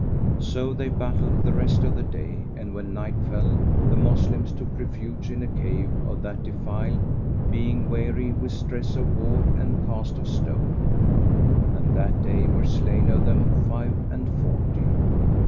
So they battled the rest of the day and, when night fell, the Moslems took refuge in a cave of that defile being weary with stress of war and cast of stone: and that day were slain of them five and forty.